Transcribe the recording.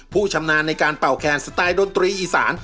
ผู้ชำนาญในการเป่าแคนสไตล์ดนตรีอีสาน